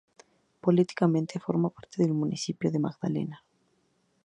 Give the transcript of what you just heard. Políticamente forma parte del municipio de Magdalena.